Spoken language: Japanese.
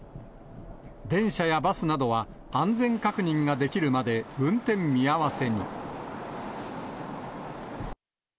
電車やバスなどは、安全確認ができるまで、運転見合わせに。